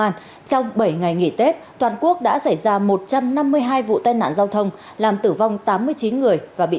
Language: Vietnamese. trong bảy ngày nghỉ tết toàn quốc đã xảy ra một trăm năm mươi hai vụ tai nạn giao thông làm tử vong tám mươi chín người và bị